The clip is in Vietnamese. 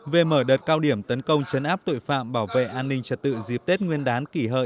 về mở đợt cao điểm tấn công chấn áp tội phạm bảo vệ an ninh trật tự dịp tết nguyên đán kỷ hợi hai nghìn một mươi chín